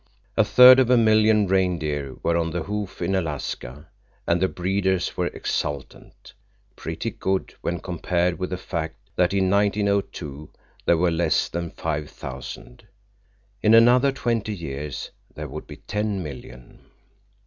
A third of a million reindeer were on the hoof in Alaska, and the breeders were exultant. Pretty good, when compared with the fact that in 1902 there were less than five thousand! In another twenty years there would be ten million.